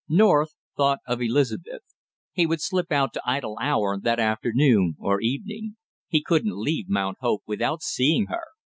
North thought of Elizabeth. He would slip out to Idle Hour that afternoon or evening; he couldn't leave Mount Hope without seeing her.